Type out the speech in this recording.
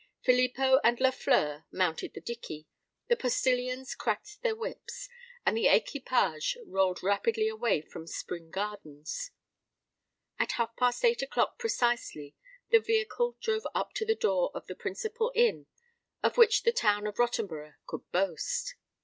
Filippo and Lafleur mounted the dickey: the postillions cracked their whips; and the equipage rolled rapidly away from Spring Gardens. At half past eight o'clock precisely the vehicle drove up to the door of the principal inn of which the town of Rottenborough could boast.